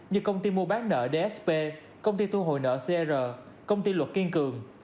như công ty mua bán nợ dsp công ty thu hồi nợ cr công ty luật kiên cường